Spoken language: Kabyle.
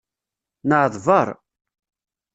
Nɛedbaṛ.